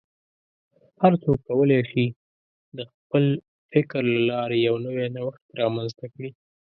هر څوک کولی شي د خپل فکر له لارې یو نوی نوښت رامنځته کړي.